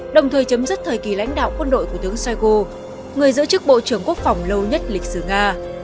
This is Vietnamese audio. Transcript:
đồng thời chấm dứt thời kỳ lãnh đạo quân đội của tướng shoigo người giữ chức bộ trưởng quốc phòng lâu nhất lịch sử nga